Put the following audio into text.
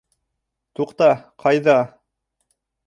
Туҡта, ҡайҙа?